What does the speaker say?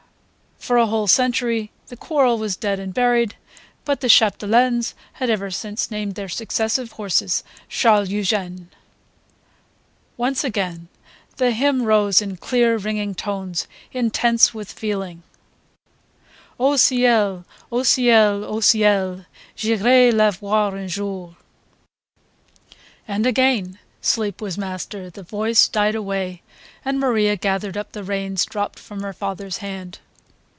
For a whole century the quarrel was dead and buried; but the Chapdelaines ever since had named their successive horses Charles Eugene. Once again the hymn rose in clear ringing tones, intense with feeling: Au ciel, au ciel, au ciel, J'irai la voir un jour .. And again sleep was master, the voice died away, and Maria gathered up the reins dropped from her father's hand.